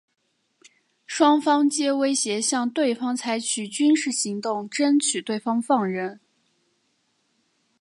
双方皆威胁向对方采取军事行动争取对方放人。